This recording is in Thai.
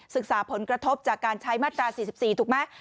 ศึกษาผลกระทบจากการใช้มาตรา๔๔ถูกไหม